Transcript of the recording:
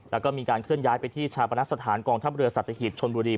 แล้วก็มีการเคลื่อนย้ายไปที่ชาปนสถานกองทัพเรือสัตหีบชนบุรี